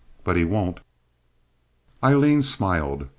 But he won't." Aileen smiled.